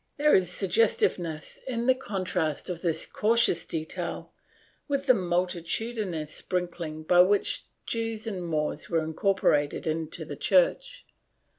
There is suggestive ness in the contrast of this cautious detail with the multitudinous sprinkling by which Jews and Moors were incorporated in the Church.